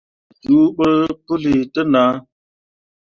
Me juubǝrri puli te nah.